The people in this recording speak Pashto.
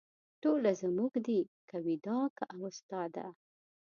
ټوله زموږ دي که ویدا که اوستا ده